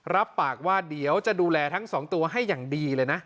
รับปากว่าเดี๋ยวจะดูแลทั้งสองตัวให้อย่างดีเลยนะ